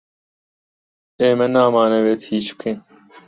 ئێمە نامانەوێت هیچ بکەین.